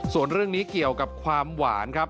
ส่วนเรื่องนี้เกี่ยวกับความหวานครับ